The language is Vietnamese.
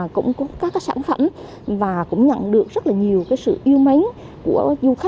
cũng có các sản phẩm và cũng nhận được rất nhiều sự yêu mến của du khách gần xa